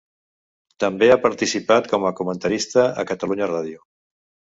També ha participat com a comentarista a Catalunya Ràdio.